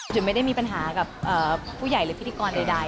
หรือไม่ได้มีปัญหากับผู้ใหญ่หรือพิธีกรใด